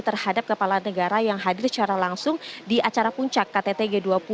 terhadap kepala negara yang hadir secara langsung di acara puncak ktt g dua puluh